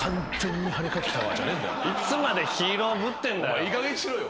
お前いいかげんにしろよ。